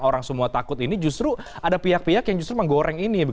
orang semua takut ini justru ada pihak pihak yang justru menggoreng ini